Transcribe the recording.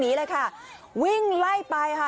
เห็นไหมคะลูกศรผู้ก่อเหตุคือเสื้อสีขาวอ่ะค่ะ